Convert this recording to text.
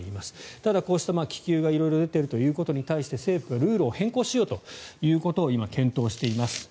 ただ、こうした気球が色々出ていることに対して政府がルールを変更しようということを今、検討しています。